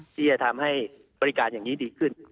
ที่จะทำให้บริการอย่างนี้ดีขึ้น